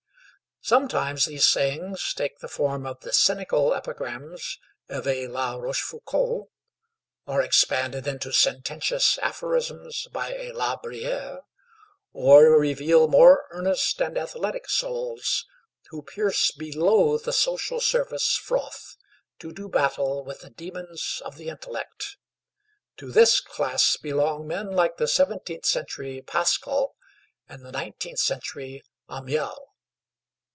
Sometimes these sayings take the form of the cynical epigrams of a La Rochefoucauld; are expanded into sententious aphorisms by a La Bruyère; or reveal more earnest and athletic souls, who pierce below the social surface froth to do battle with the demons of the intellect. To this class belong men like the seventeenth century Pascal and the nineteenth century Amiel.